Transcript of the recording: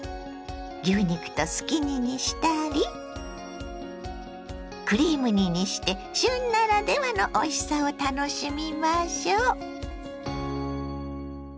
牛肉とすき煮にしたりクリーム煮にして旬ならではのおいしさを楽しみましょ。